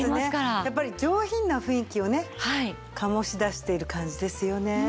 やっぱり上品な雰囲気をね醸し出している感じですよね。